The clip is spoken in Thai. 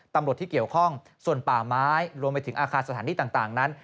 ตำรวจที่เกี่ยวข้องส่วนป่าไม้รวมไปถึงอาคารสถานที่ต่างนั้น